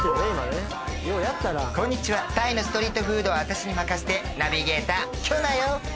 こんにちはタイのストリートフードは私に任せてナビゲーターキョだよ